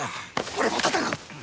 俺も戦う！